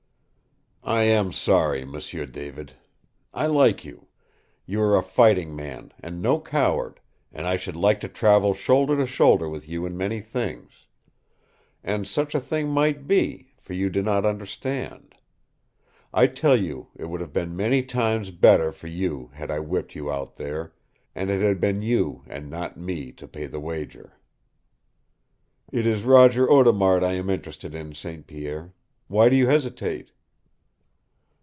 "I am sorry, M'sieu David. I like you. You are a fighting man and no coward, and I should like to travel shoulder to shoulder with you in many things. And such a thing might be, for you do not understand. I tell you it would have been many times better for you had I whipped you out there, and it had been you and not me to pay the wager!" "It is Roger Audemard I am interested in, St. Pierre. Why do you hesitate?"